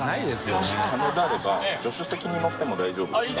もし可能であれば助手席に乗っても大丈夫ですか？